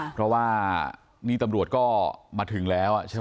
เพราะว่านี่ตำรวจก็มาถึงแล้วใช่ไหม